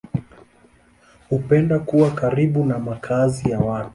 Hupenda kuwa karibu na makazi ya watu.